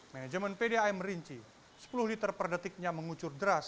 manajemen pdam merinci sepuluh liter per detiknya mengucur deras